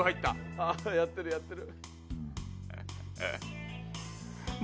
ああやってるやってる！